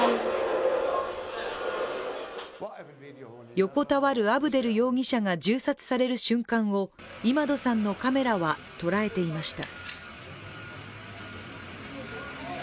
横たわるアブデル容疑者が銃殺される瞬間をイマドさんのカメラは捉えていました。